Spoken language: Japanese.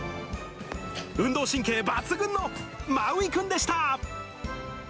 運動神経抜群のマウイくんでした。